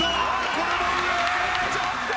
これも上。